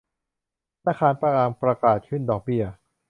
ธนาคารกลางประกาศขึ้นดอกเบี้ย